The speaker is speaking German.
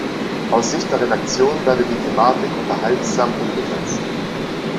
Aus Sicht der Redaktion werde die Thematik „unterhaltsam umgesetzt“.